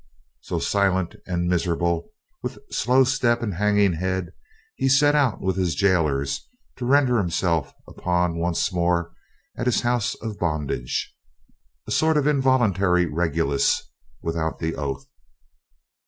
So, silent and miserable, with slow step and hanging head, he set out with his gaolers to render himself up once more at his house of bondage a sort of involuntary Regulus, without the oath.